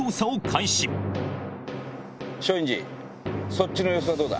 そっちの様子はどうだ？